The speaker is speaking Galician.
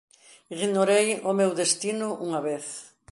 Ignorei o meu destino unha vez.